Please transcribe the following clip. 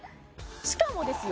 しかもですよ